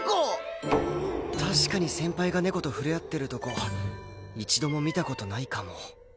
確かに先輩が猫と触れ合ってるとこ一度も見た事ないかも